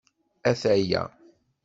Ata-ya.